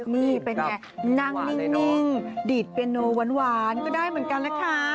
นี่เป็นไงนั่งนิ่งดีดเปียโนหวานก็ได้เหมือนกันนะคะ